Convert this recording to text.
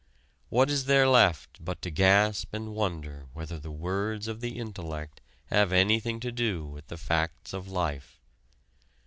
What is there left but to gasp and wonder whether the words of the intellect have anything to do with the facts of life?